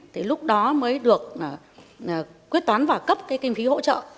thì lúc đó mới được quyết toán và cấp cái kinh phí hỗ trợ